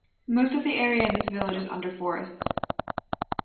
Most of the area in this village is under forests.